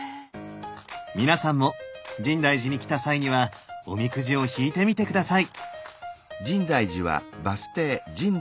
皆さんも深大寺に来た際にはおみくじを引いてみて下さい。